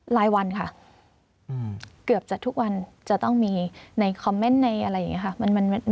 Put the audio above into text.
รายวันค่ะเกือบจะทุกวันจะต้องมีในคอมเมนต์ในอะไรอย่างนี้ค่ะ